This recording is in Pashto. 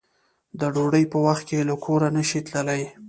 د ډوډۍ په وخت کې له کوره نشې تللی